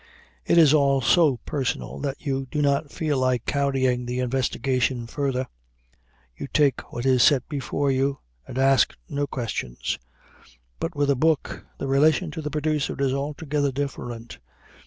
It is all so personal that you do not feel like carrying the investigation further. You take what is set before you and ask no questions. But with a book the relation to the producer is altogether different.